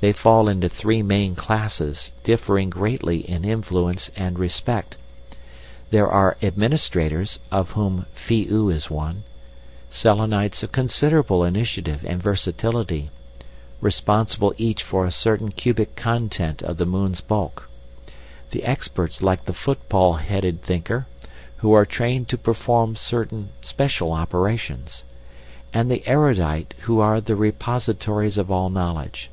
They fall into three main classes differing greatly in influence and respect. There are administrators, of whom Phi oo is one, Selenites of considerable initiative and versatility, responsible each for a certain cubic content of the moon's bulk; the experts like the football headed thinker, who are trained to perform certain special operations; and the erudite, who are the repositories of all knowledge.